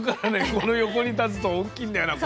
この横に立つと大きいんだよな声が。